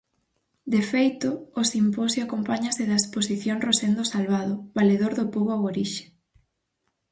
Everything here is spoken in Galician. De feito, o simposio acompáñase da exposición Rosendo Salvado, valedor do pobo aborixe.